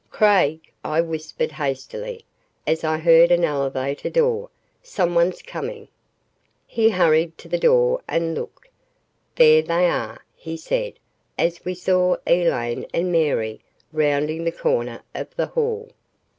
"Craig," I whispered hastily as I heard an elevator door, "someone's coming!" He hurried to the door and looked. "There they are," he said, as we saw Elaine and Mary rounding the corner of the hall.